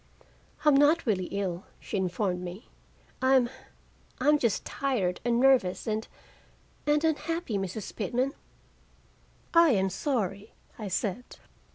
"I'm not really ill," she informed me. "I'm I'm just tired and nervous, and and unhappy, Mrs. Pitman." "I am sorry," I said.